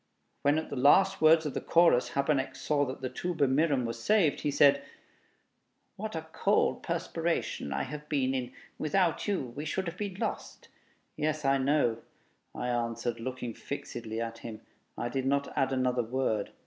When, at the last words of the chorus, Habeneck saw that the 'Tuba mirum' was saved, he said, "What a cold perspiration I have been in! Without you we should have been lost." "Yes, I know," I answered, looking fixedly at him. I did not add another word....